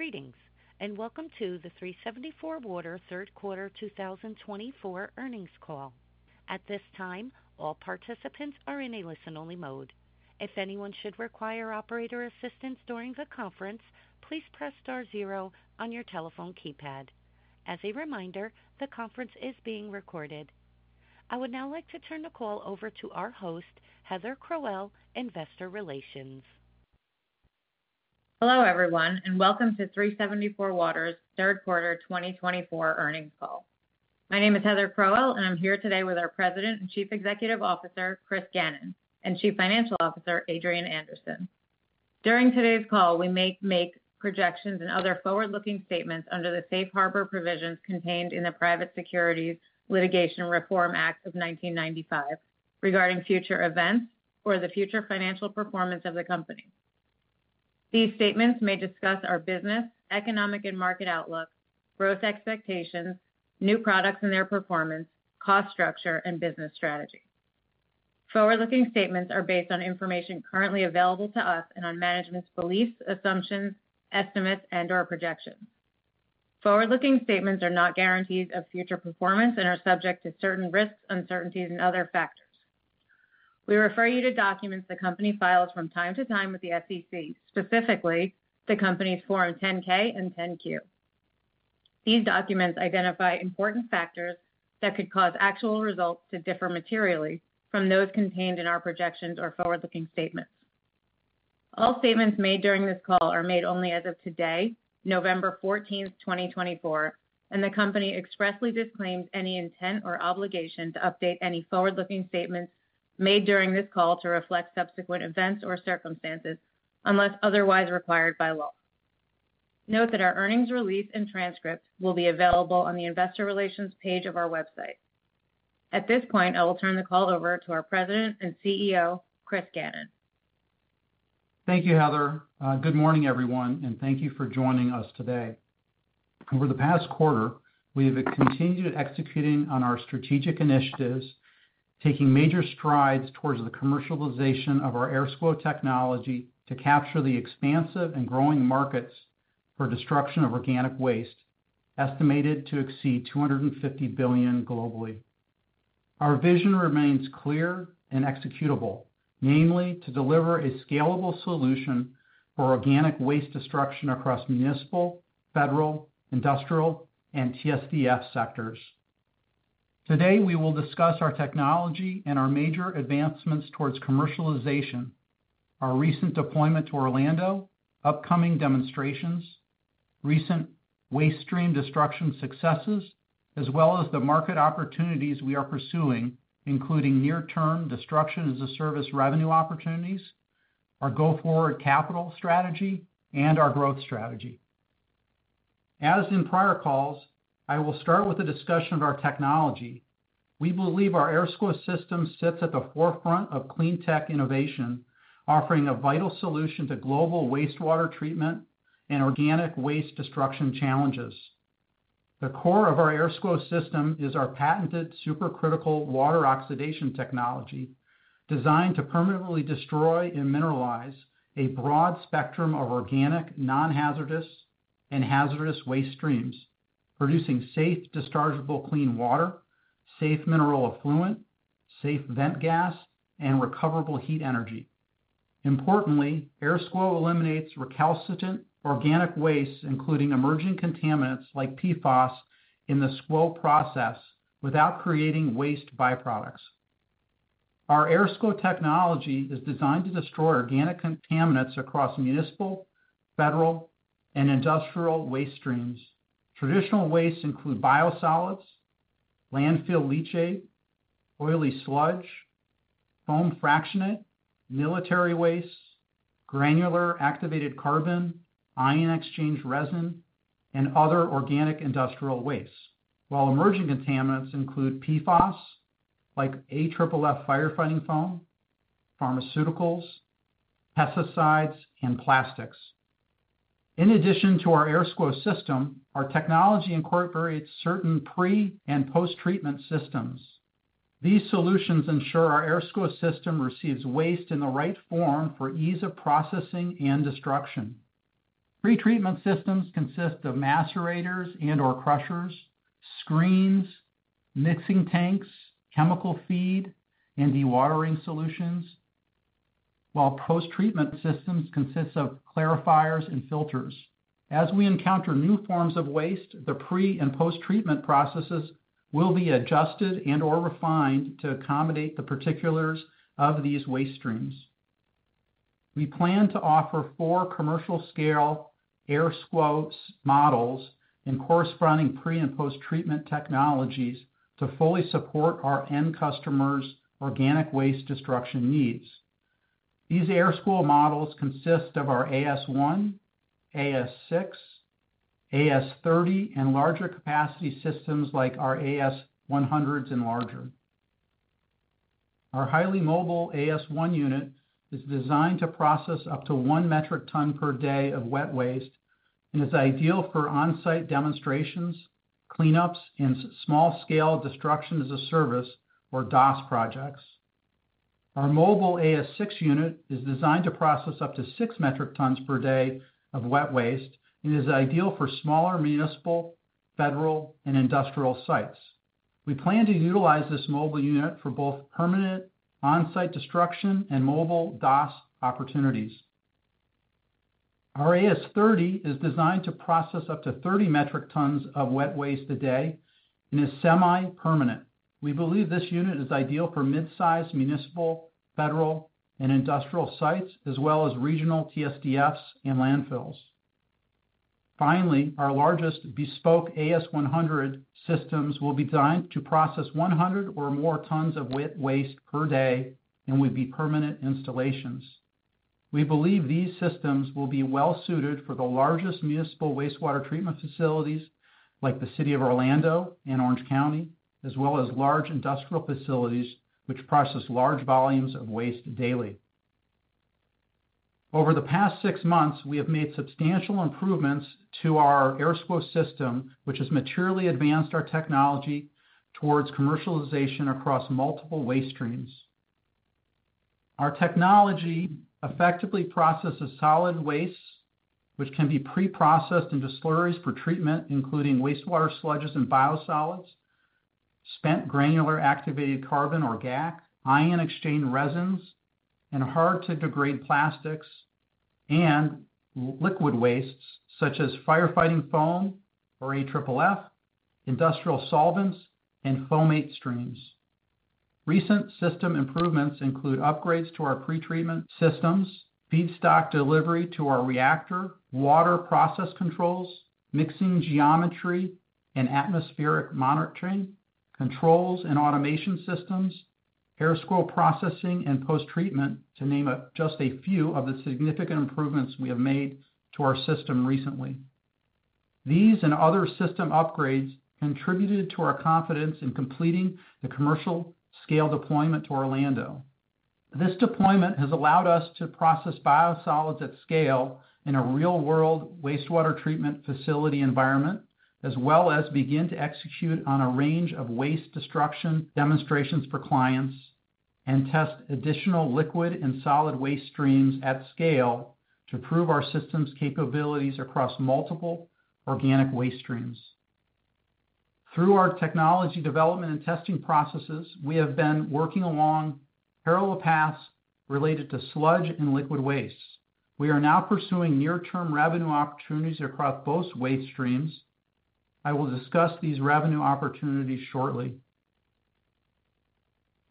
Greetings and welcome to the 374Water Third Quarter 2024 Earnings Call. At this time, all participants are in a listen-only mode. If anyone should require operator assistance during the conference, please press star zero on your telephone keypad. As a reminder, the conference is being recorded. I would now like to turn the call over to our host, Heather Crowell, Investor Relations. Hello, everyone, and welcome to 374Water Third Quarter 2024 Earnings Call. My name is Heather Crowell, and I'm here today with our President and Chief Executive Officer, Chris Gannon, and Chief Financial Officer, Adrienne Anderson. During today's call, we may make projections and other forward-looking statements under the Safe Harbor provisions contained in the Private Securities Litigation Reform Act of 1995 regarding future events or the future financial performance of the company. These statements may discuss our business, economic and market outlook, growth expectations, new products and their performance, cost structure, and business strategy. Forward-looking statements are based on information currently available to us and on management's beliefs, assumptions, estimates, and/or projections. Forward-looking statements are not guarantees of future performance and are subject to certain risks, uncertainties, and other factors. We refer you to documents the company files from time to time with the SEC, specifically the company's Form 10-K and 10-Q. These documents identify important factors that could cause actual results to differ materially from those contained in our projections or forward-looking statements. All statements made during this call are made only as of today, November 14, 2024, and the company expressly disclaims any intent or obligation to update any forward-looking statements made during this call to reflect subsequent events or circumstances unless otherwise required by law. Note that our earnings release and transcript will be available on the Investor Relations page of our website. At this point, I will turn the call over to our President and CEO, Chris Gannon. Thank you, Heather. Good morning, everyone, and thank you for joining us today. Over the past quarter, we have continued executing on our strategic initiatives, taking major strides towards the commercialization of our AirSCWO technology to capture the expansive and growing markets for destruction of organic waste estimated to exceed $250 billion globally. Our vision remains clear and executable, namely to deliver a scalable solution for organic waste destruction across municipal, federal, industrial, and TSDF sectors. Today, we will discuss our technology and our major advancements towards commercialization, our recent deployment to Orlando, upcoming demonstrations, recent waste stream destruction successes, as well as the market opportunities we are pursuing, including near-term Destruction-as-a-Service revenue opportunities, our go-forward capital strategy, and our growth strategy. As in prior calls, I will start with a discussion of our technology. We believe our AirSCWO system sits at the forefront of clean tech innovation, offering a vital solution to global wastewater treatment and organic waste destruction challenges. The core of our AirSCWO system is our patented supercritical water oxidation technology designed to permanently destroy and mineralize a broad spectrum of organic, non-hazardous, and hazardous waste streams, producing safe, dischargeable clean water, safe mineral effluent, safe vent gas, and recoverable heat energy. Importantly, AirSCWO eliminates recalcitrant organic waste, including emerging contaminants like PFAS, in the AirSCWO process without creating waste byproducts. Our AirSCWO technology is designed to destroy organic contaminants across municipal, federal, and industrial waste streams. Traditional waste includes biosolids, landfill leachate, oily sludge, foamate, military waste, granular activated carbon, ion exchange resin, and other organic industrial waste, while emerging contaminants include PFAS like AFFF firefighting foam, pharmaceuticals, pesticides, and plastics. In addition to our AirSCWO system, our technology incorporates certain pre- and post-treatment systems. These solutions ensure our AirSCWO system receives waste in the right form for ease of processing and destruction. Pre-treatment systems consist of macerators and/or crushers, screens, mixing tanks, chemical feed, and dewatering solutions, while post-treatment systems consist of clarifiers and filters. As we encounter new forms of waste, the pre- and post-treatment processes will be adjusted and/or refined to accommodate the particulars of these waste streams. We plan to offer four commercial-scale AirSCWO models in corresponding pre- and post-treatment technologies to fully support our end customers' organic waste destruction needs. These AirSCWO models consist of our AS1, AS6, AS30, and larger capacity systems like our AS100s and larger. Our highly mobile AS1 unit is designed to process up to one metric ton per day of wet waste and is ideal for on-site demonstrations, cleanups, and small-scale Destruction-as-a-Service or DaaS projects. Our mobile AS6 unit is designed to process up to six metric tons per day of wet waste and is ideal for smaller municipal, federal, and industrial sites. We plan to utilize this mobile unit for both permanent on-site destruction and mobile DaaS opportunities. Our AS30 is designed to process up to 30 metric tons of wet waste a day and is semi-permanent. We believe this unit is ideal for mid-size municipal, federal, and industrial sites, as well as regional TSDFs and landfills. Finally, our largest bespoke AS100 systems will be designed to process 100 or more tons of wet waste per day and would be permanent installations. We believe these systems will be well-suited for the largest municipal wastewater treatment facilities like the City of Orlando and Orange County, as well as large industrial facilities which process large volumes of waste daily. Over the past six months, we have made substantial improvements to our AirSCWO system, which has materially advanced our technology towards commercialization across multiple waste streams. Our technology effectively processes solid waste, which can be pre-processed into slurries for treatment, including wastewater sludges and biosolids, spent granular activated carbon or GAC, ion exchange resins, and hard-to-degrade plastics, and liquid wastes such as firefighting foam or AFFF, industrial solvents, and Fomate streams. Recent system improvements include upgrades to our pre-treatment systems, feedstock delivery to our reactor, water process controls, mixing geometry and atmospheric monitoring, controls and automation systems, AirSCWO processing and post-treatment, to name just a few of the significant improvements we have made to our system recently. These and other system upgrades contributed to our confidence in completing the commercial-scale deployment to Orlando. This deployment has allowed us to process biosolids at scale in a real-world wastewater treatment facility environment, as well as begin to execute on a range of waste destruction demonstrations for clients and test additional liquid and solid waste streams at scale to prove our system's capabilities across multiple organic waste streams. Through our technology development and testing processes, we have been working along parallel paths related to sludge and liquid waste. We are now pursuing near-term revenue opportunities across both waste streams. I will discuss these revenue opportunities shortly.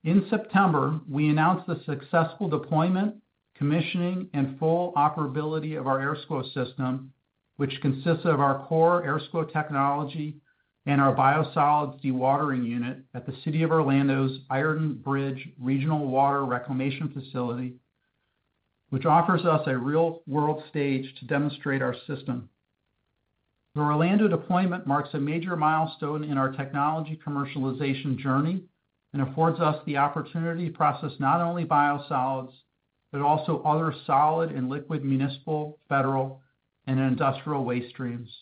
In September, we announced the successful deployment, commissioning, and full operability of our AirSCWO system, which consists of our core AirSCWO technology and our biosolids dewatering unit at the City of Orlando's Ironbridge Regional Water Reclamation Facility, which offers us a real-world stage to demonstrate our system. The Orlando deployment marks a major milestone in our technology commercialization journey and affords us the opportunity to process not only biosolids, but also other solid and liquid municipal, federal, and industrial waste streams.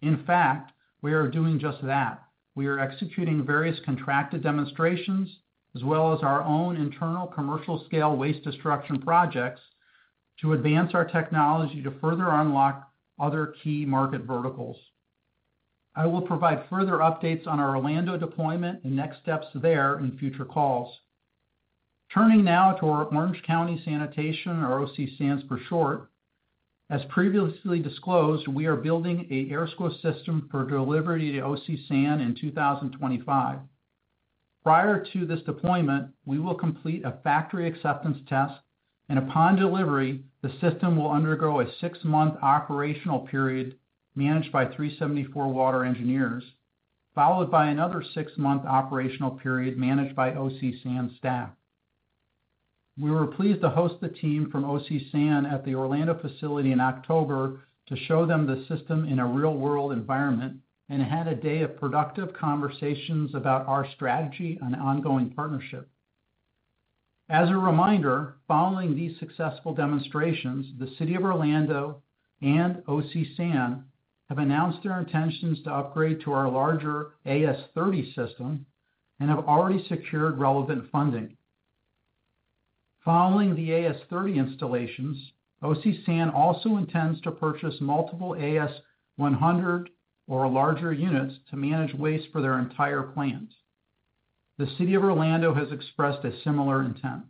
In fact, we are doing just that. We are executing various contracted demonstrations, as well as our own internal commercial-scale waste destruction projects to advance our technology to further unlock other key market verticals. I will provide further updates on our Orlando deployment and next steps there in future calls. Turning now to Orange County Sanitation, or OC San for short, as previously disclosed, we are building an AirSCWO system for delivery to OC San in 2025. Prior to this deployment, we will complete a factory acceptance test, and upon delivery, the system will undergo a six-month operational period managed by 374Water engineers, followed by another six-month operational period managed by OC San staff. We were pleased to host the team from OC San at the Orlando facility in October to show them the system in a real-world environment and had a day of productive conversations about our strategy and ongoing partnership. As a reminder, following these successful demonstrations, the City of Orlando and OC San have announced their intentions to upgrade to our larger AS30 system and have already secured relevant funding. Following the AS30 installations, OC San also intends to purchase multiple AS100 or larger units to manage waste for their entire plant. The City of Orlando has expressed a similar intent.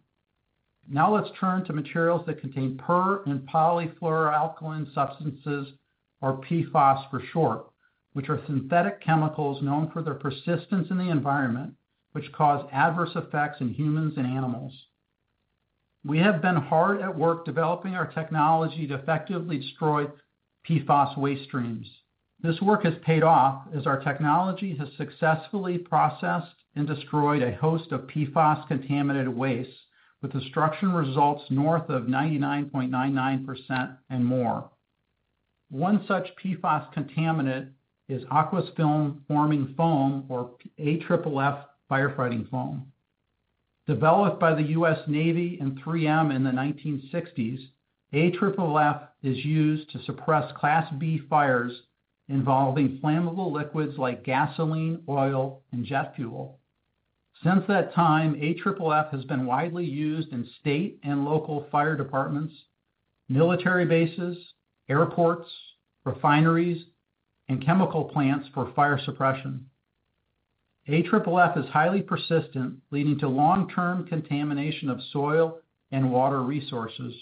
Now let's turn to materials that contain per- and polyfluoroalkyl substances, or PFAS for short, which are synthetic chemicals known for their persistence in the environment, which cause adverse effects in humans and animals. We have been hard at work developing our technology to effectively destroy PFAS waste streams. This work has paid off as our technology has successfully processed and destroyed a host of PFAS-contaminated waste, with destruction results north of 99.99% and more. One such PFAS contaminant is Aqueous Film Forming Foam, or AFFF firefighting foam. Developed by the U.S. Navy and 3M in the 1960s, AFFF is used to suppress Class B fires involving flammable liquids like gasoline, oil, and jet fuel. Since that time, AFFF has been widely used in state and local fire departments, military bases, airports, refineries, and chemical plants for fire suppression. AFFF is highly persistent, leading to long-term contamination of soil and water resources.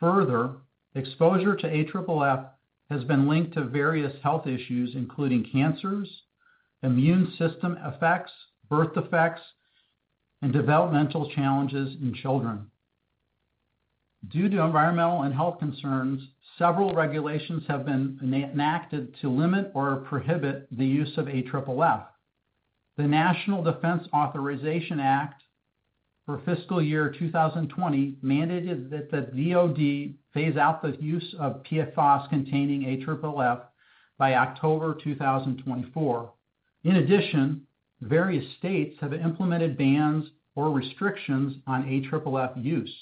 Further, exposure to AFFF has been linked to various health issues, including cancers, immune system effects, birth defects, and developmental challenges in children. Due to environmental and health concerns, several regulations have been enacted to limit or prohibit the use of AFFF. The National Defense Authorization Act for fiscal year 2020 mandated that the DoD phase out the use of PFAS-containing AFFF by October 2024. In addition, various states have implemented bans or restrictions on AFFF use.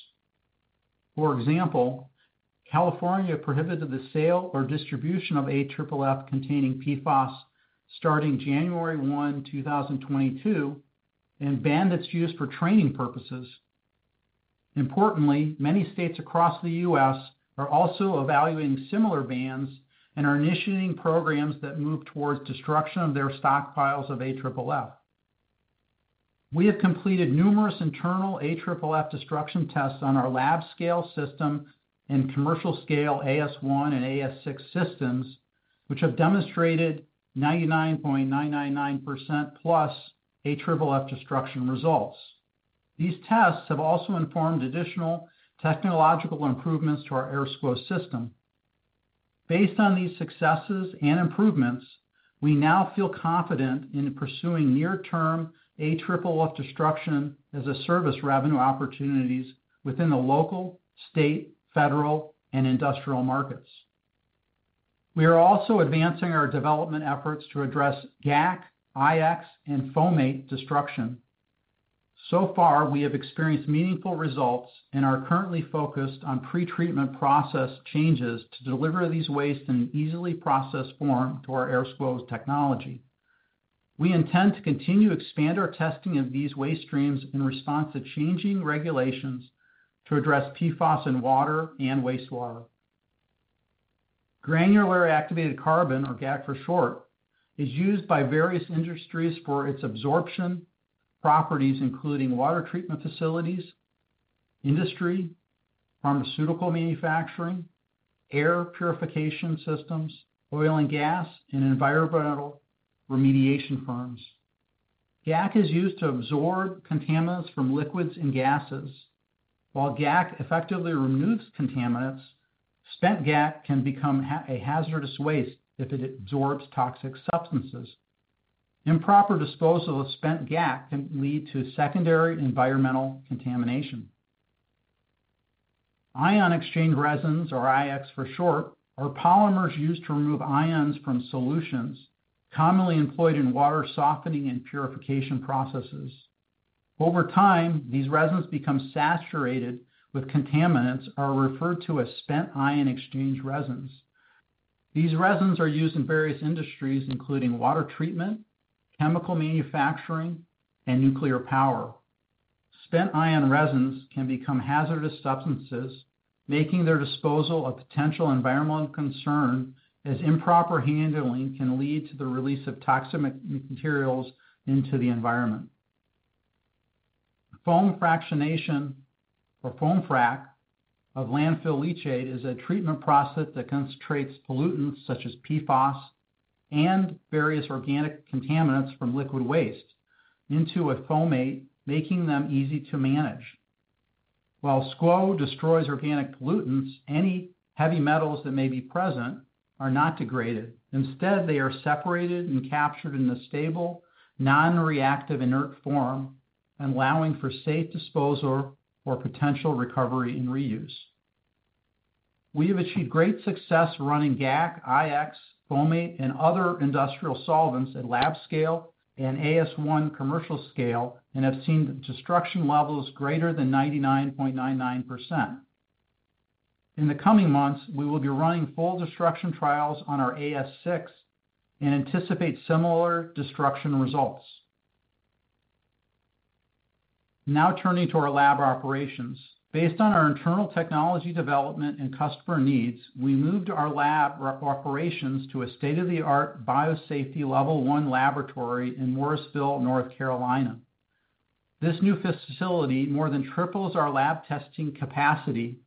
For example, California prohibited the sale or distribution of AFFF-containing PFAS starting January 1, 2022, and banned its use for training purposes. Importantly, many states across the U.S. are also evaluating similar bans and are initiating programs that move towards destruction of their stockpiles of AFFF. We have completed numerous internal AFFF destruction tests on our lab-scale system and commercial-scale AS1 and AS6 systems, which have demonstrated 99.999% plus AFFF destruction results. These tests have also informed additional technological improvements to our AirSCWO system. Based on these successes and improvements, we now feel confident in pursuing near-term AFFF Destruction-as-a-Service revenue opportunities within the local, state, federal, and industrial markets. We are also advancing our development efforts to address GAC, IX, and fomate destruction. So far, we have experienced meaningful results and are currently focused on pre-treatment process changes to deliver these wastes in an easily processed form to our AirSCWO technology. We intend to continue to expand our testing of these waste streams in response to changing regulations to address PFAS in water and wastewater. Granular activated carbon, or GAC for short, is used by various industries for its absorption properties, including water treatment facilities, industry, pharmaceutical manufacturing, air purification systems, oil and gas, and environmental remediation firms. GAC is used to absorb contaminants from liquids and gases. While GAC effectively removes contaminants, spent GAC can become a hazardous waste if it absorbs toxic substances. Improper disposal of spent GAC can lead to secondary environmental contamination. Ion-exchange resins, or IX for short, are polymers used to remove ions from solutions, commonly employed in water softening and purification processes. Over time, these resins become saturated with contaminants or are referred to as spent ion-exchange resins. These resins are used in various industries, including water treatment, chemical manufacturing, and nuclear power. Spent ion resins can become hazardous substances, making their disposal a potential environmental concern, as improper handling can lead to the release of toxic materials into the environment. Foam fractionation, or foam frac of landfill leachate, is a treatment process that concentrates pollutants such as PFAS and various organic contaminants from liquid waste into a fomate, making them easy to manage. While AirSCWO destroys organic pollutants, any heavy metals that may be present are not degraded. Instead, they are separated and captured in a stable, non-reactive inert form, allowing for safe disposal or potential recovery and reuse. We have achieved great success running GAC, IX, fomate, and other industrial solvents at lab scale and AS1 commercial scale and have seen destruction levels greater than 99.99%. In the coming months, we will be running full destruction trials on our AS6 and anticipate similar destruction results. Now turning to our lab operations. Based on our internal technology development and customer needs, we moved our lab operations to a state-of-the-art biosafety level one laboratory in Morrisville, North Carolina. This new facility more than triples our lab testing capacity,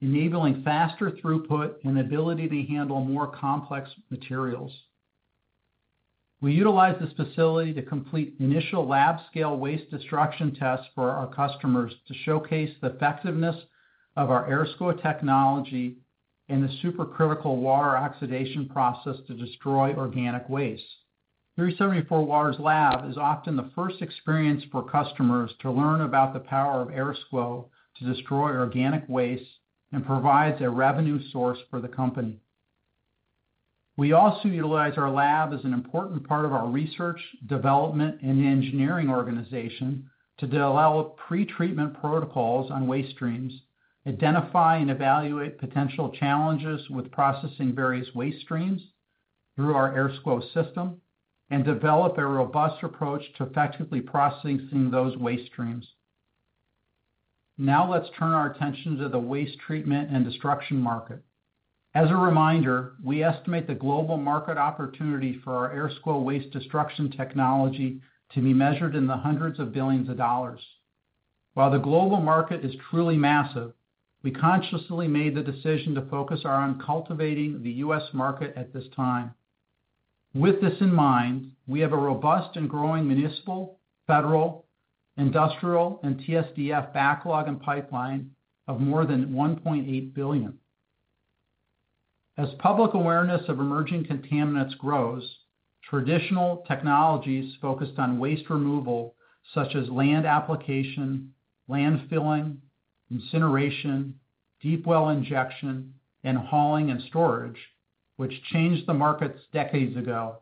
enabling faster throughput and the ability to handle more complex materials. We utilize this facility to complete initial lab-scale waste destruction tests for our customers to showcase the effectiveness of our AirSCWO technology and the supercritical water oxidation process to destroy organic waste. 374Water's lab is often the first experience for customers to learn about the power of AirSCWO to destroy organic waste and provides a revenue source for the company. We also utilize our lab as an important part of our Research, Development, and Engineering Organization to develop pre-treatment protocols on waste streams, identify and evaluate potential challenges with processing various waste streams through our AirSCWO system, and develop a robust approach to effectively processing those waste streams. Now let's turn our attention to the waste treatment and destruction market. As a reminder, we estimate the global market opportunity for our AirSCWO waste destruction technology to be measured in the hundreds of billions of dollars. While the global market is truly massive, we consciously made the decision to focus on cultivating the U.S. market at this time. With this in mind, we have a robust and growing municipal, federal, industrial, and TSDF backlog and pipeline of more than $1.8 billion. As public awareness of emerging contaminants grows, traditional technologies focused on waste removal, such as land application, landfilling, incineration, deep well injection, and hauling and storage, which changed the markets decades ago,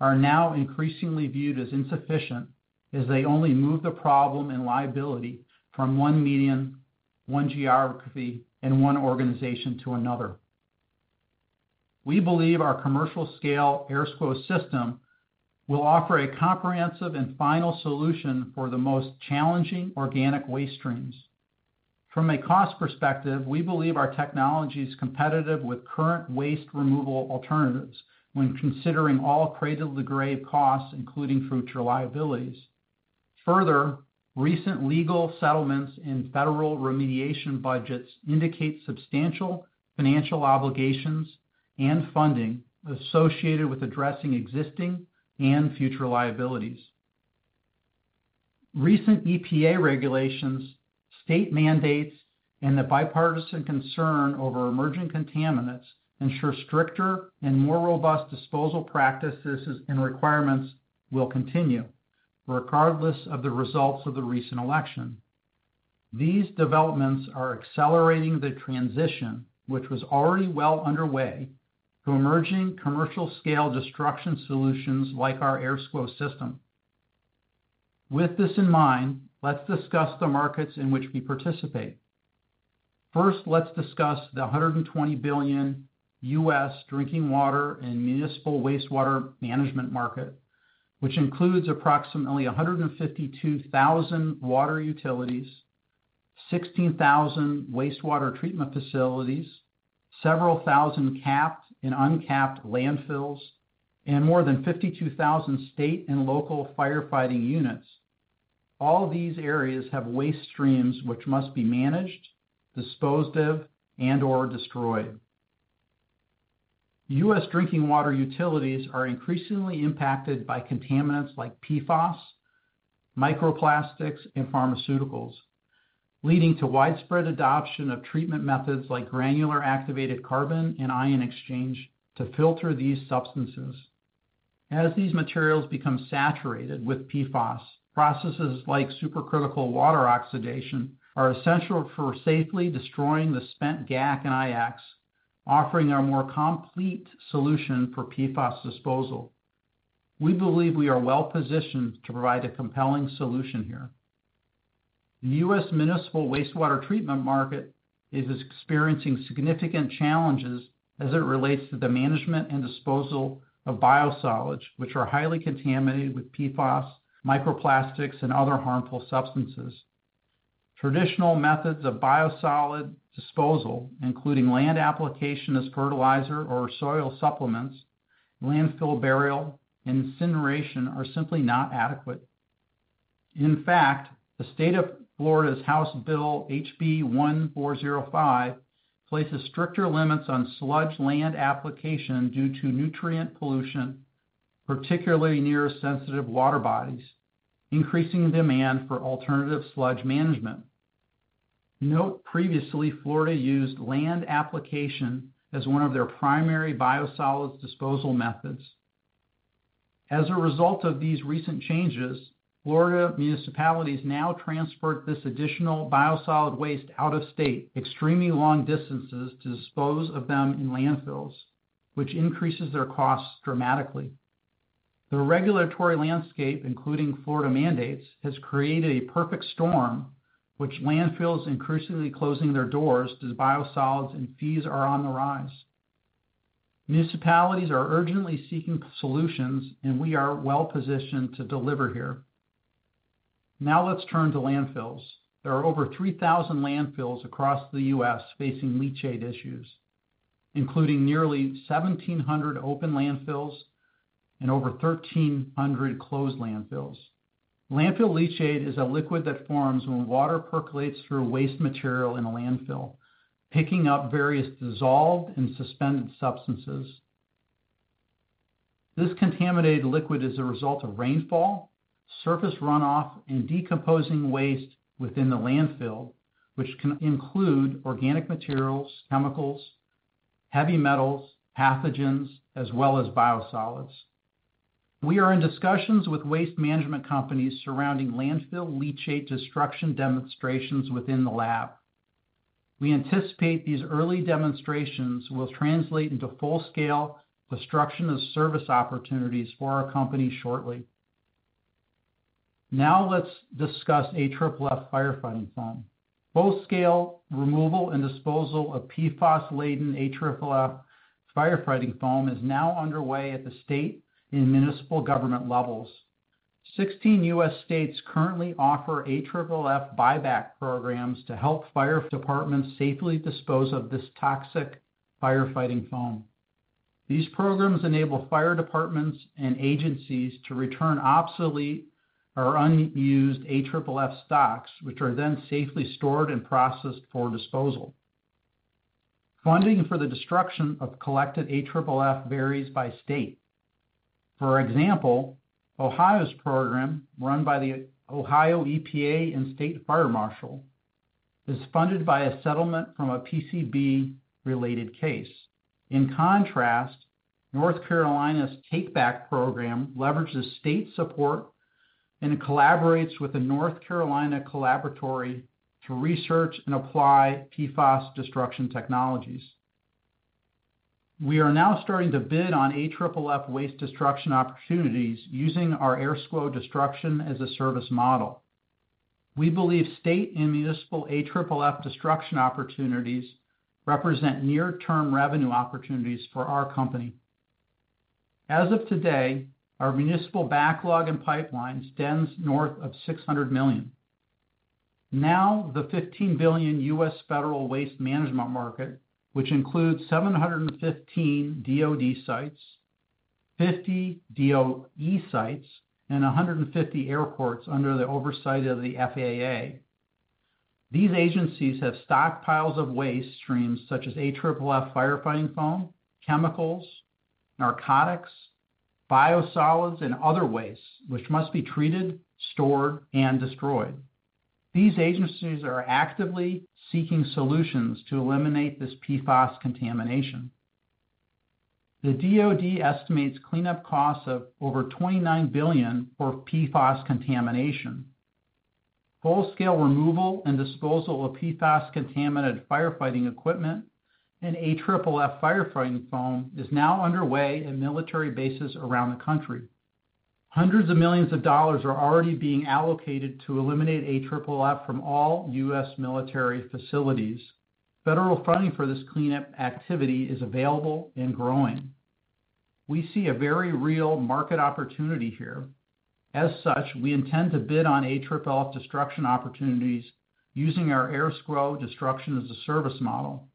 are now increasingly viewed as insufficient as they only move the problem and liability from one medium, one geography, and one organization to another. We believe our commercial-scale AirSCWO system will offer a comprehensive and final solution for the most challenging organic waste streams. From a cost perspective, we believe our technology is competitive with current waste removal alternatives when considering all cradle-to-grave costs, including future liabilities. Further, recent legal settlements and federal remediation budgets indicate substantial financial obligations and funding associated with addressing existing and future liabilities. Recent EPA regulations, state mandates, and the bipartisan concern over emerging contaminants ensure stricter and more robust disposal practices and requirements will continue, regardless of the results of the recent election. These developments are accelerating the transition, which was already well underway, to emerging commercial-scale destruction solutions like our AirSCWO system. With this in mind, let's discuss the markets in which we participate. First, let's discuss the $120 billion U.S. drinking water and municipal wastewater management market, which includes approximately 152,000 water utilities, 16,000 wastewater treatment facilities, several thousand capped and uncapped landfills, and more than 52,000 state and local firefighting units. All these areas have waste streams which must be managed, disposed of, and/or destroyed. U.S. drinking water utilities are increasingly impacted by contaminants like PFAS, microplastics, and pharmaceuticals, leading to widespread adoption of treatment methods like granular activated carbon and ion-exchange to filter these substances. As these materials become saturated with PFAS, processes like supercritical water oxidation are essential for safely destroying the spent GAC and IX, offering a more complete solution for PFAS disposal. We believe we are well positioned to provide a compelling solution here. The U.S. municipal wastewater treatment market is experiencing significant challenges as it relates to the management and disposal of biosolids, which are highly contaminated with PFAS, microplastics, and other harmful substances. Traditional methods of biosolid disposal, including land application as fertilizer or soil supplements, landfill burial, and incineration, are simply not adequate. In fact, the state of Florida's House Bill HB 1405 places stricter limits on sludge land application due to nutrient pollution, particularly near sensitive water bodies, increasing demand for alternative sludge management. Note previously, Florida used land application as one of their primary biosolids disposal methods. As a result of these recent changes, Florida municipalities now transferred this additional biosolids waste out of state extremely long distances to dispose of them in landfills, which increases their costs dramatically. The regulatory landscape, including Florida mandates, has created a perfect storm, which landfills are increasingly closing their doors as biosolids and fees are on the rise. Municipalities are urgently seeking solutions, and we are well positioned to deliver here. Now let's turn to landfills. There are over 3,000 landfills across the U.S. facing leachate issues, including nearly 1,700 open landfills and over 1,300 closed landfills. Landfill leachate is a liquid that forms when water percolates through waste material in a landfill, picking up various dissolved and suspended substances. This contaminated liquid is a result of rainfall, surface runoff, and decomposing waste within the landfill, which can include organic materials, chemicals, heavy metals, pathogens, as well as biosolids. We are in discussions with waste management companies surrounding landfill leachate destruction demonstrations within the lab. We anticipate these early demonstrations will translate into full-scale Destruction-as-a-Service opportunities for our company shortly. Now let's discuss AFFF firefighting foam. Full-scale removal and disposal of PFAS-laden AFFF firefighting foam is now underway at the state and municipal government levels. 16 U.S. states currently offer AFFF buyback programs to help fire departments safely dispose of this toxic firefighting foam. These programs enable fire departments and agencies to return obsolete or unused AFFF stocks, which are then safely stored and processed for disposal. Funding for the destruction of collected AFFF varies by state. For example, Ohio's program, run by the Ohio EPA and Ohio State Fire Marshal, is funded by a settlement from a PCB-related case. In contrast, North Carolina's take-back program leverages state support and collaborates with a North Carolina Collaboratory to research and apply PFAS destruction technologies. We are now starting to bid on AFFF waste destruction opportunities using our AirSCWO Destruction-as-a-Service model. We believe state and municipal AFFF destruction opportunities represent near-term revenue opportunities for our company. As of today, our municipal backlog and pipelines stems north of $600 million. Now, the $15 billion U.S. federal waste management market, which includes 715 DoD sites, 50 DOE sites, and 150 airports under the oversight of the FAA, these agencies have stockpiles of waste streams such as AFFF firefighting foam, chemicals, narcotics, biosolids, and other wastes, which must be treated, stored, and destroyed. These agencies are actively seeking solutions to eliminate this PFAS contamination. The DoD estimates cleanup costs of over $29 billion for PFAS contamination. Full-scale removal and disposal of PFAS-contaminated firefighting equipment and AFFF firefighting foam is now underway at military bases around the country. Hundreds of millions of dollars are already being allocated to eliminate AFFF from all U.S. military facilities. Federal funding for this cleanup activity is available and growing. We see a very real market opportunity here. As such, we intend to bid on AFFF destruction opportunities using our AirSCWO Destruction-as-a-Service model.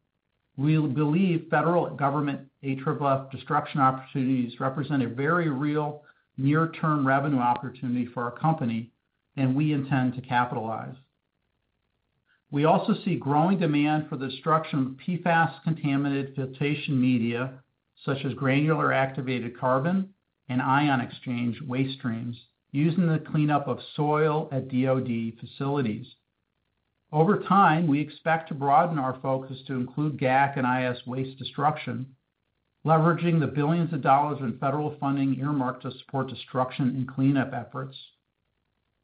We believe federal government AFFF destruction opportunities represent a very real near-term revenue opportunity for our company, and we intend to capitalize. We also see growing demand for the destruction of PFAS-contaminated filtration media, such as granular activated carbon and ion exchange waste streams, using the cleanup of soil at DOD facilities. Over time, we expect to broaden our focus to include GAC and IX waste destruction, leveraging the billions of dollars in federal funding earmarked to support destruction and cleanup efforts.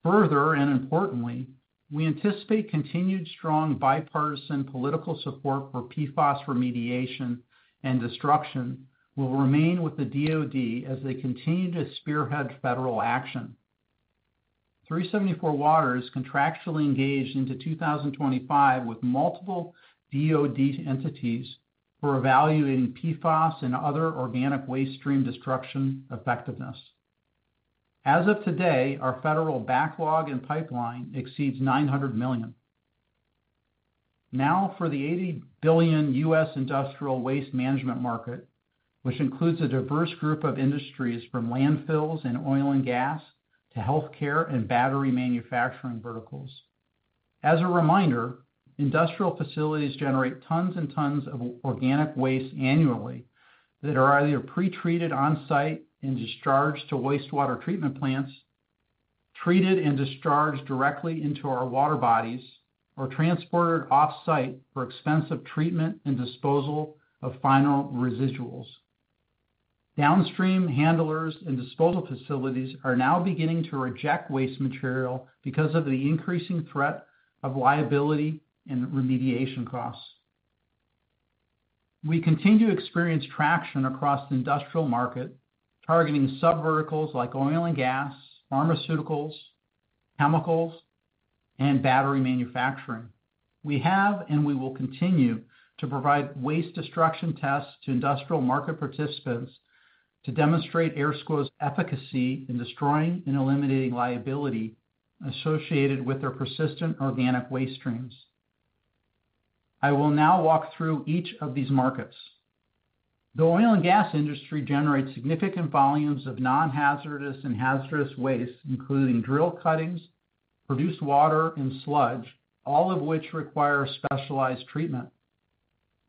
Further and importantly, we anticipate continued strong bipartisan political support for PFAS remediation and destruction will remain with the DoD as they continue to spearhead federal action. 374Water is contractually engaged into 2025 with multiple DoD entities for evaluating PFAS and other organic waste stream destruction effectiveness. As of today, our federal backlog and pipeline exceeds $900 million. Now for the $80 billion U.S. industrial waste management market, which includes a diverse group of industries from landfills and oil and gas to healthcare and battery manufacturing verticals. As a reminder, industrial facilities generate tons and tons of organic waste annually that are either pretreated on site and discharged to wastewater treatment plants, treated and discharged directly into our water bodies, or transported off site for expensive treatment and disposal of final residuals. Downstream handlers and disposal facilities are now beginning to reject waste material because of the increasing threat of liability and remediation costs. We continue to experience traction across the industrial market, targeting sub-verticals like oil and gas, pharmaceuticals, chemicals, and battery manufacturing. We have and we will continue to provide waste destruction tests to industrial market participants to demonstrate AirSCWO's efficacy in destroying and eliminating liability associated with their persistent organic waste streams. I will now walk through each of these markets. The oil and gas industry generates significant volumes of non-hazardous and hazardous waste, including drill cuttings, produced water, and sludge, all of which require specialized treatment.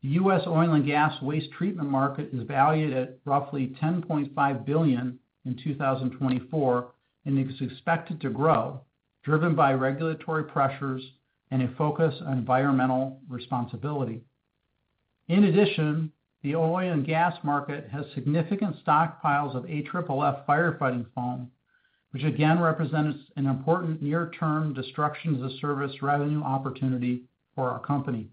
The U.S. oil and gas waste treatment market is valued at roughly $10.5 billion in 2024 and is expected to grow, driven by regulatory pressures and a focus on environmental responsibility. In addition, the oil and gas market has significant stockpiles of AFFF firefighting foam, which again represents an important near-term Destruction-as-a-Service revenue opportunity for our company.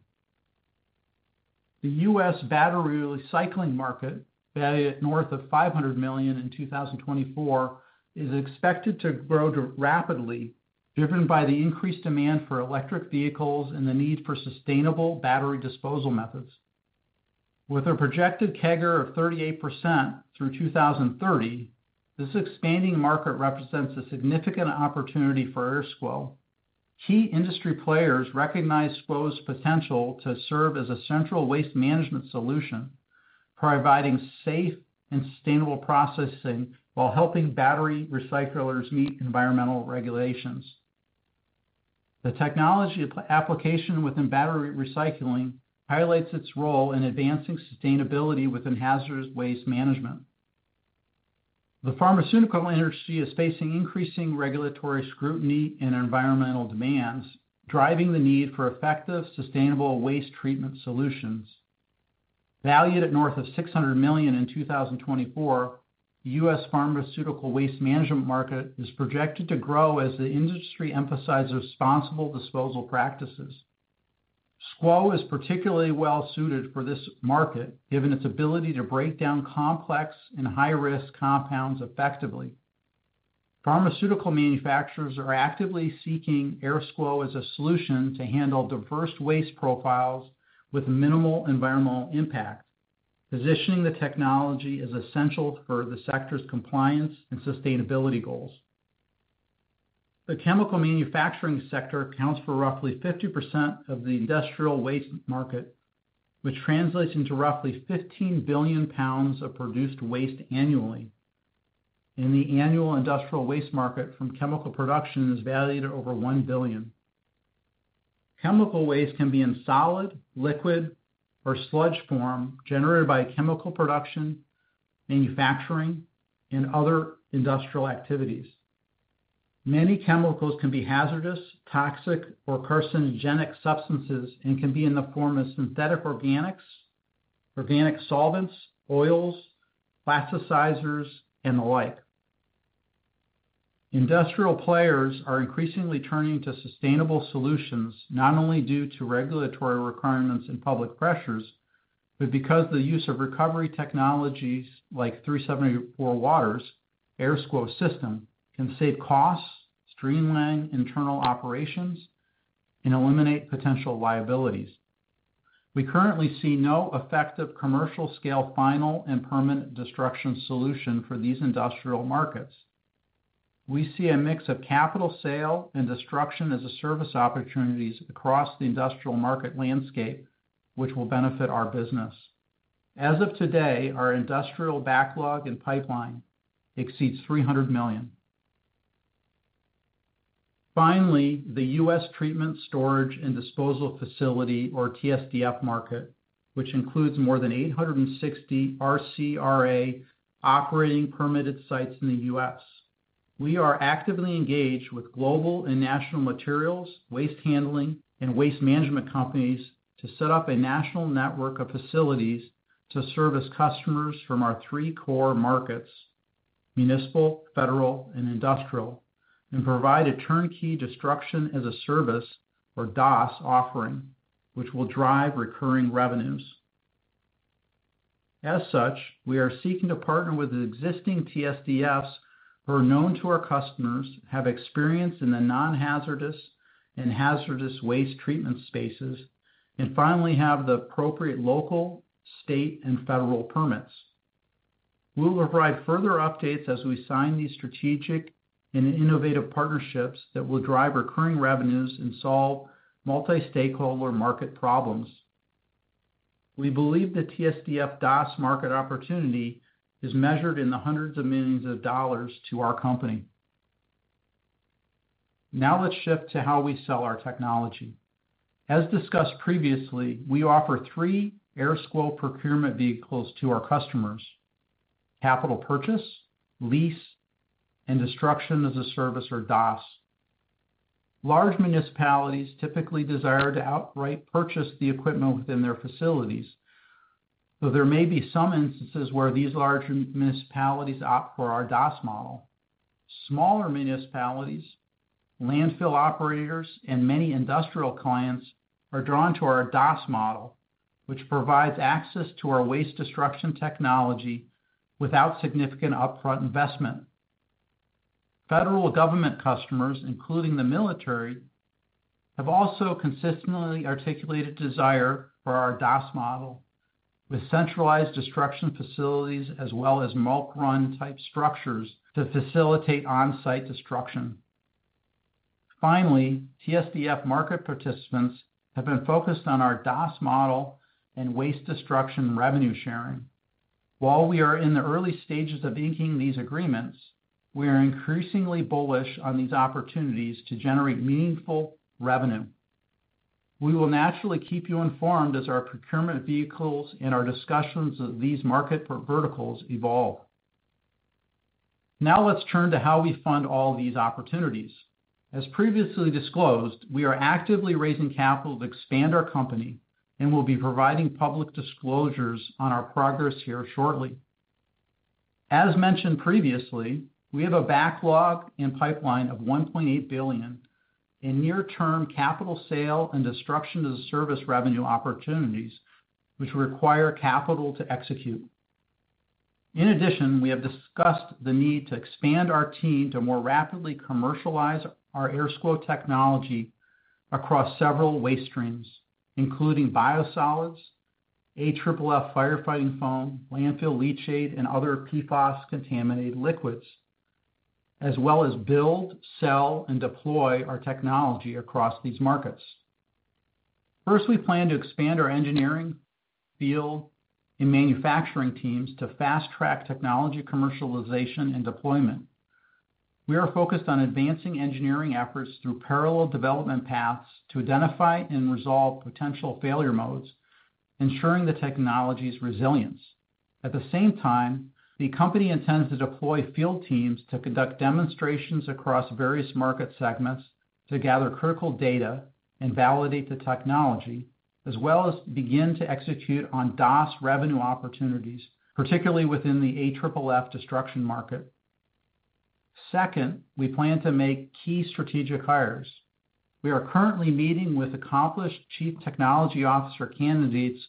The U.S. battery recycling market, valued at north of $500 million in 2024, is expected to grow rapidly, driven by the increased demand for electric vehicles and the need for sustainable battery disposal methods. With a projected CAGR of 38% through 2030, this expanding market represents a significant opportunity for AirSCWO. Key industry players recognize AirSCWO's potential to serve as a central waste management solution, providing safe and sustainable processing while helping battery recyclers meet environmental regulations. The technology application within battery recycling highlights its role in advancing sustainability within hazardous waste management. The pharmaceutical industry is facing increasing regulatory scrutiny and environmental demands, driving the need for effective, sustainable waste treatment solutions. Valued at north of $600 million in 2024, the U.S. pharmaceutical waste management market is projected to grow as the industry emphasizes responsible disposal practices. SCWO is particularly well suited for this market, given its ability to break down complex and high-risk compounds effectively. Pharmaceutical manufacturers are actively seeking AirSCWO as a solution to handle diverse waste profiles with minimal environmental impact, positioning the technology as essential for the sector's compliance and sustainability goals. The chemical manufacturing sector accounts for roughly 50% of the industrial waste market, which translates into roughly 15 billion pounds of produced waste annually, and the annual industrial waste market from chemical production is valued at over $1 billion. Chemical waste can be in solid, liquid, or sludge form generated by chemical production, manufacturing, and other industrial activities. Many chemicals can be hazardous, toxic, or carcinogenic substances and can be in the form of synthetic organics, organic solvents, oils, plasticizers, and the like. Industrial players are increasingly turning to sustainable solutions, not only due to regulatory requirements and public pressures, but because the use of recovery technologies like 374Water's AirSCWO system can save costs, streamline internal operations, and eliminate potential liabilities. We currently see no effective commercial-scale final and permanent destruction solution for these industrial markets. We see a mix of capital sale and Destruction-as-a-Service opportunities across the industrial market landscape, which will benefit our business. As of today, our industrial backlog and pipeline exceeds $300 million. Finally, the U.S. treatment, storage, and disposal facility, or TSDF, market, which includes more than 860 RCRA operating permitted sites in the U.S. We are actively engaged with global and national materials, waste handling, and waste management companies to set up a national network of facilities to service customers from our three core markets: municipal, federal, and industrial, and provide a turnkey Destruction-as-a-Service, or DaaS, offering, which will drive recurring revenues. As such, we are seeking to partner with existing TSDFs who are known to our customers, have experience in the non-hazardous and hazardous waste treatment spaces, and finally have the appropriate local, state, and federal permits. We will provide further updates as we sign these strategic and innovative partnerships that will drive recurring revenues and solve multi-stakeholder market problems. We believe the TSDF DaaS market opportunity is measured in the hundreds of millions of dollars to our company. Now let's shift to how we sell our technology. As discussed previously, we offer three AirSCWO procurement vehicles to our customers: capital purchase, lease, and Destruction-as-a-Service, or DaaS. Large municipalities typically desire to outright purchase the equipment within their facilities, though there may be some instances where these large municipalities opt for our DaaS model. Smaller municipalities, landfill operators, and many industrial clients are drawn to our DaaS model, which provides access to our waste destruction technology without significant upfront investment. Federal government customers, including the military, have also consistently articulated desire for our DaaS model, with centralized destruction facilities as well as bulk run type structures to facilitate on-site destruction. Finally, TSDF market participants have been focused on our DaaS model and waste destruction revenue sharing. While we are in the early stages of inking these agreements, we are increasingly bullish on these opportunities to generate meaningful revenue. We will naturally keep you informed as our procurement vehicles and our discussions of these market verticals evolve. Now let's turn to how we fund all these opportunities. As previously disclosed, we are actively raising capital to expand our company and will be providing public disclosures on our progress here shortly. As mentioned previously, we have a backlog and pipeline of $1.8 billion in near-term capital sale and Destruction-as-a-Service revenue opportunities, which require capital to execute. In addition, we have discussed the need to expand our team to more rapidly commercialize our AirSCWO technology across several waste streams, including biosolids, AFFF firefighting foam, landfill leachate, and other PFAS-contaminated liquids, as well as build, sell, and deploy our technology across these markets. First, we plan to expand our engineering, field, and manufacturing teams to fast-track technology commercialization and deployment. We are focused on advancing engineering efforts through parallel development paths to identify and resolve potential failure modes, ensuring the technology's resilience. At the same time, the company intends to deploy field teams to conduct demonstrations across various market segments to gather critical data and validate the technology, as well as begin to execute on DaaS revenue opportunities, particularly within the AFFF destruction market. Second, we plan to make key strategic hires. We are currently meeting with accomplished Chief Technology Officer candidates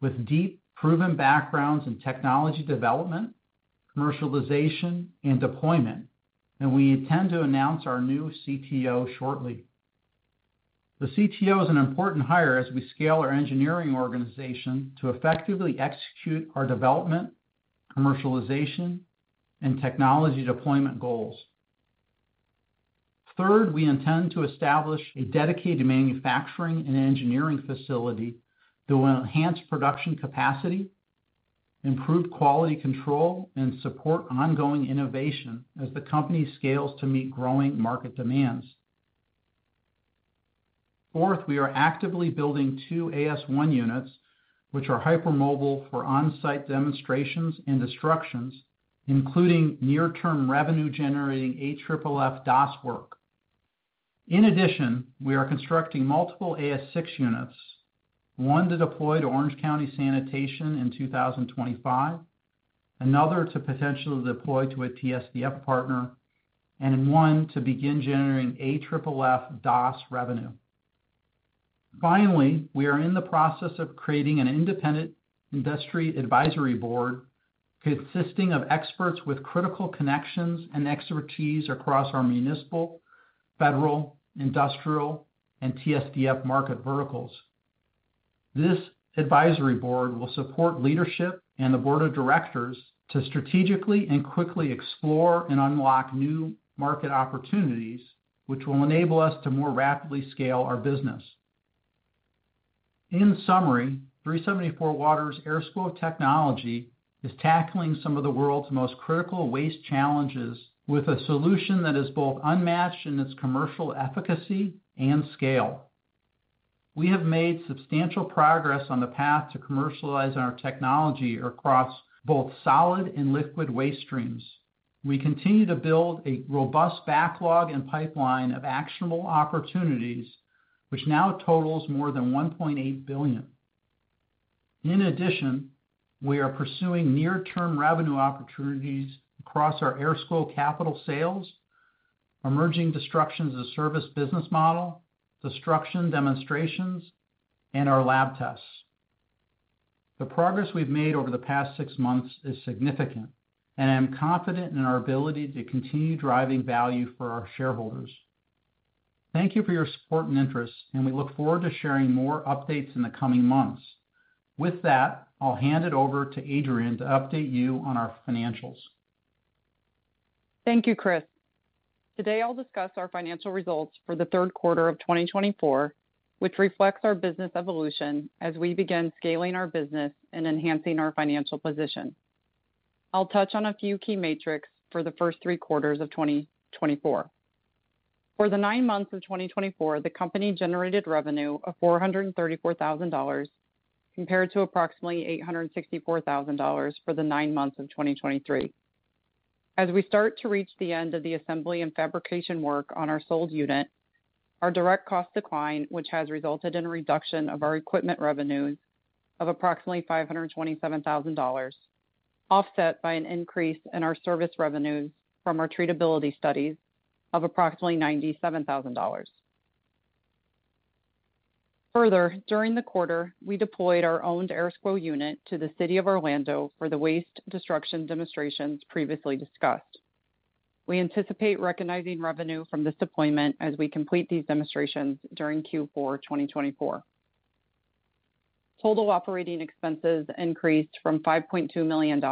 with deep, proven backgrounds in technology development, commercialization, and deployment, and we intend to announce our new CTO shortly. The CTO is an important hire as we scale our engineering organization to effectively execute our development, commercialization, and technology deployment goals. Third, we intend to establish a dedicated manufacturing and engineering facility that will enhance production capacity, improve quality control, and support ongoing innovation as the company scales to meet growing market demands. Fourth, we are actively building two AS1 units, which are hypermobile for on-site demonstrations and destructions, including near-term revenue-generating AFFF DaaS work. In addition, we are constructing multiple AS6 units, one to deploy to Orange County Sanitation in 2025, another to potentially deploy to a TSDF partner, and one to begin generating AFFF DaaS revenue. Finally, we are in the process of creating an independent industry advisory board consisting of experts with critical connections and expertise across our municipal, federal, industrial, and TSDF market verticals. This advisory board will support leadership and the board of directors to strategically and quickly explore and unlock new market opportunities, which will enable us to more rapidly scale our business. In summary, 374Water's AirSCWO technology is tackling some of the world's most critical waste challenges with a solution that is both unmatched in its commercial efficacy and scale. We have made substantial progress on the path to commercializing our technology across both solid and liquid waste streams. We continue to build a robust backlog and pipeline of actionable opportunities, which now totals more than $1.8 billion. In addition, we are pursuing near-term revenue opportunities across our AirSCWO capital sales, emerging Destruction-as-a-Service business model, destruction demonstrations, and our lab tests. The progress we've made over the past six months is significant, and I'm confident in our ability to continue driving value for our shareholders. Thank you for your support and interest, and we look forward to sharing more updates in the coming months. With that, I'll hand it over to Adrienne to update you on our financials. Thank you, Chris. Today, I'll discuss our financial results for the third quarter of 2024, which reflects our business evolution as we begin scaling our business and enhancing our financial position. I'll touch on a few key metrics for the first three quarters of 2024. For the nine months of 2024, the company generated revenue of $434,000 compared to approximately $864,000 for the nine months of 2023. As we start to reach the end of the assembly and fabrication work on our sold unit, our direct cost decline, which has resulted in a reduction of our equipment revenues of approximately $527,000, offset by an increase in our service revenues from our treatability studies of approximately $97,000. Further, during the quarter, we deployed our owned AirSCWO unit to the City of Orlando for the waste destruction demonstrations previously discussed. We anticipate recognizing revenue from this deployment as we complete these demonstrations during Q4 2024. Total operating expenses increased from $5.2 million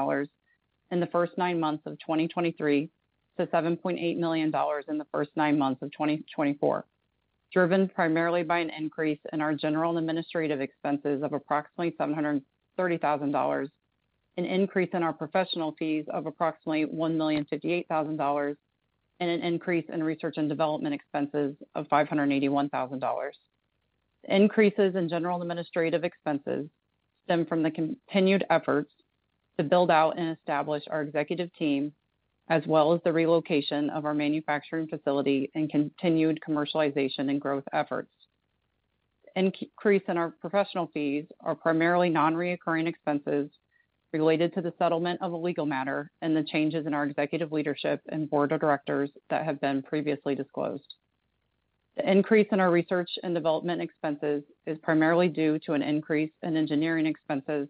in the first nine months of 2023 to $7.8 million in the first nine months of 2024, driven primarily by an increase in our general and administrative expenses of approximately $730,000, an increase in our professional fees of approximately $1,058,000, and an increase in research and development expenses of $581,000. Increases in general and administrative expenses stem from the continued efforts to build out and establish our executive team, as well as the relocation of our manufacturing facility and continued commercialization and growth efforts. The increase in our professional fees is primarily non-recurring expenses related to the settlement of a legal matter and the changes in our executive leadership and board of directors that have been previously disclosed. The increase in our research and development expenses is primarily due to an increase in engineering expenses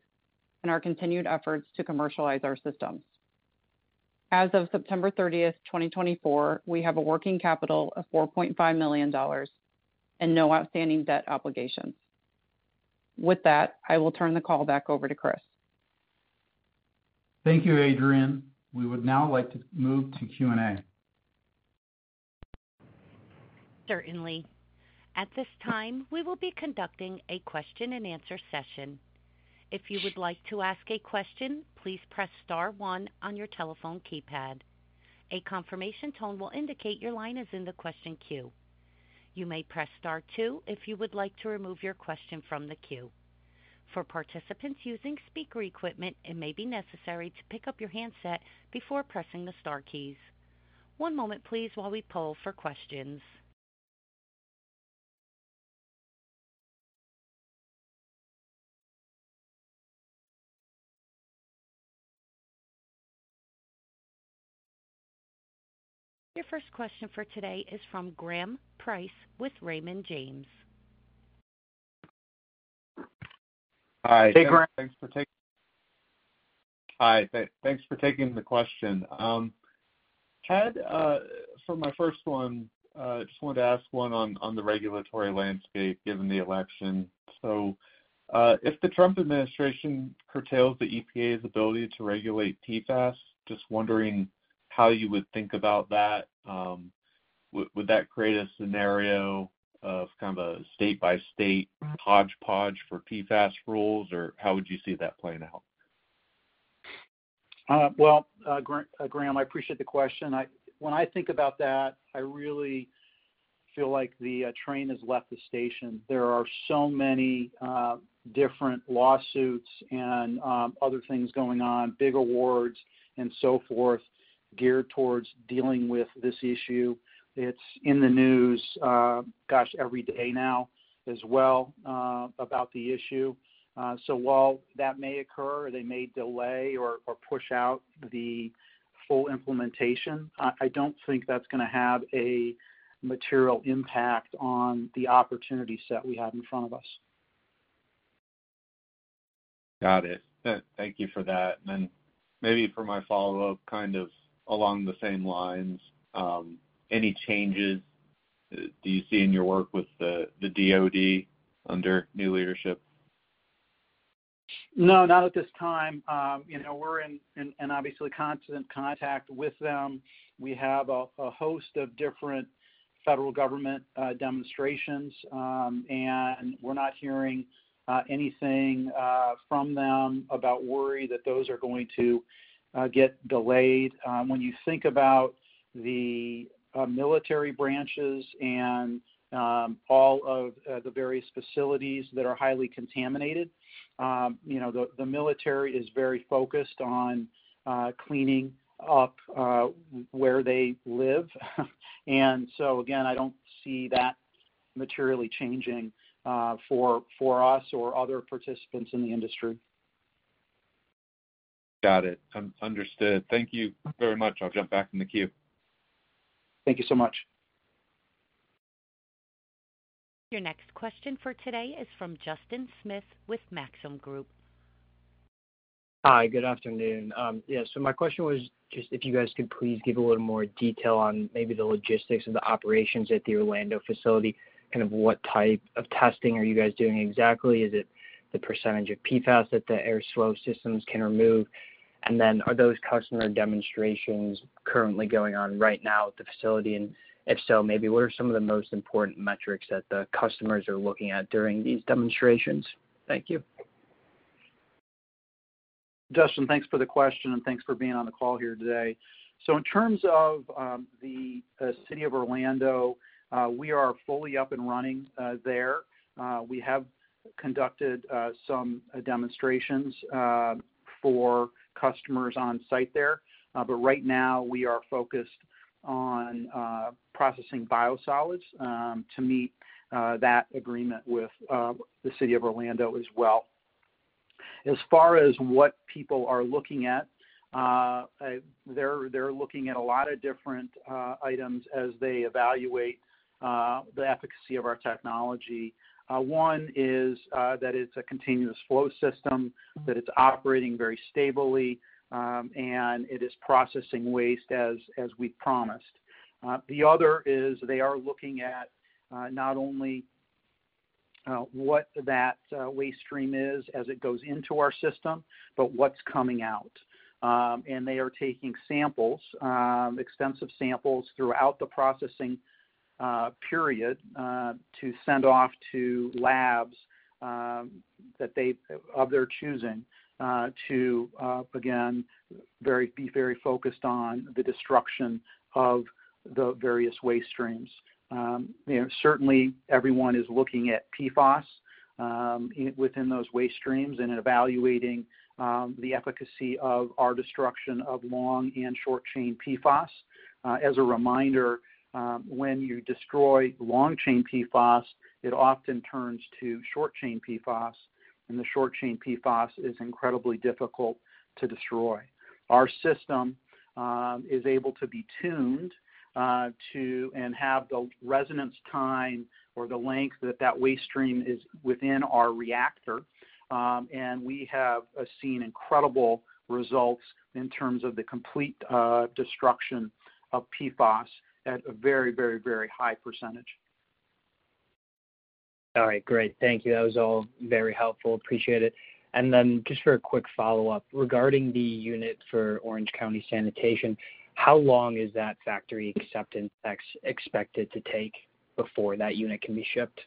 and our continued efforts to commercialize our systems. As of September 30th, 2024, we have a working capital of $4.5 million and no outstanding debt obligations. With that, I will turn the call back over to Chris. Thank you, Adrienne. We would now like to move to Q&A. Certainly. At this time, we will be conducting a question-and-answer session. If you would like to ask a question, please press star one on your telephone keypad. A confirmation tone will indicate your line is in the question queue. You may press star two if you would like to remove your question from the queue. For participants using speaker equipment, it may be necessary to pick up your handset before pressing the star keys. One moment, please, while we poll for questions. Your first question for today is from Graham Price with Raymond James. Hi. Hey, Graham. Thanks for taking the question. Ted, for my first one, I just wanted to ask one on the regulatory landscape given the election. So, if the Trump administration curtails the EPA's ability to regulate PFAS, just wondering how you would think about that? Would that create a scenario of kind of a state-by-state hodgepodge for PFAS rules, or how would you see that playing out? Well, Graham, I appreciate the question. When I think about that, I really feel like the train has left the station. There are so many different lawsuits and other things going on, big awards and so forth, geared towards dealing with this issue. It's in the news, gosh, every day now as well about the issue. So, while that may occur, they may delay or push out the full implementation, I don't think that's going to have a material impact on the opportunity set we have in front of us. Got it. Thank you for that. And then maybe for my follow-up, kind of along the same lines, any changes do you see in your work with the DoD under new leadership? No, not at this time. We're in obviously constant contact with them. We have a host of different federal government demonstrations, and we're not hearing anything from them about worry that those are going to get delayed. When you think about the military branches and all of the various facilities that are highly contaminated, the military is very focused on cleaning up where they live. And so again, I don't see that materially changing for us or other participants in the industry. Got it. Understood. Thank you very much. I'll jump back in the queue. Thank you so much. Your next question for today is from Justin Smith with Maxim Group. Hi, good afternoon. Yeah, so my question was just if you guys could please give a little more detail on maybe the logistics of the operations at the Orlando facility, kind of what type of testing are you guys doing exactly? Is it the percentage of PFAS that the AirSCWO systems can remove? And then are those customer demonstrations currently going on right now at the facility? And if so, maybe what are some of the most important metrics that the customers are looking at during these demonstrations? Thank you. Justin, thanks for the question, and thanks for being on the call here today. So, in terms of the City of Orlando, we are fully up and running there. We have conducted some demonstrations for customers on site there, but right now we are focused on processing biosolids to meet that agreement with the City of Orlando as well. As far as what people are looking at, they're looking at a lot of different items as they evaluate the efficacy of our technology. One is that it's a continuous flow system, that it's operating very stably, and it is processing waste as we promised. The other is they are looking at not only what that waste stream is as it goes into our system, but what's coming out. And they are taking samples, extensive samples throughout the processing period to send off to labs of their choosing to, again, be very focused on the destruction of the various waste streams. Certainly, everyone is looking at PFAS within those waste streams and evaluating the efficacy of our destruction of long and short-chain PFAS. As a reminder, when you destroy long-chain PFAS, it often turns to short-chain PFAS, and the short-chain PFAS is incredibly difficult to destroy. Our system is able to be tuned to and have the resonance time or the length that that waste stream is within our reactor, and we have seen incredible results in terms of the complete destruction of PFAS at a very, very, very high percentage. All right. Great. Thank you. That was all very helpful. Appreciate it. And then just for a quick follow-up, regarding the unit for Orange County Sanitation, how long is that factory acceptance expected to take before that unit can be shipped?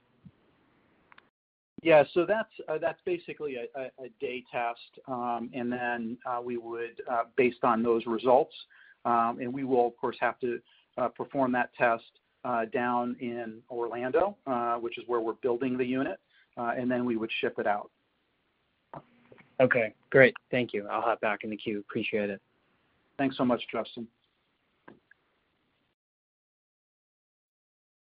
Yeah. So that's basically a day test. And then we would, based on those results, and we will, of course, have to perform that test down in Orlando, which is where we're building the unit, and then we would ship it out. Okay. Great. Thank you. I'll hop back in the queue. Appreciate it. Thanks so much, Justin.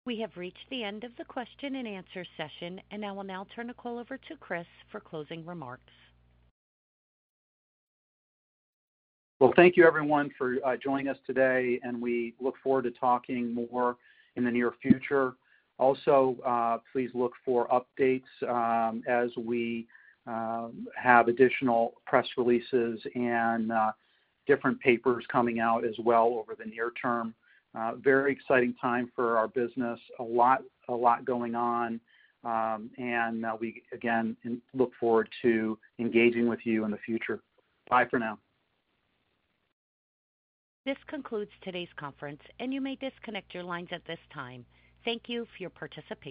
We have reached the end of the question-and-answer session, and I will now turn the call over to Chris for closing remarks. Well, thank you, everyone, for joining us today, and we look forward to talking more in the near future. Also, please look for updates as we have additional press releases and different papers coming out as well over the near term. Very exciting time for our business, a lot going on, and we, again, look forward to engaging with you in the future. Bye for now. This concludes today's conference, and you may disconnect your lines at this time. Thank you for your participation.